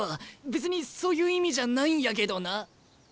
別にそういう意味じゃないんやけどな。